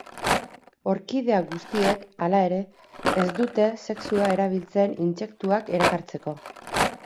Orkidea guztiek, hala ere, ez dute sexua erabiltzen intsektuak erakartzeko.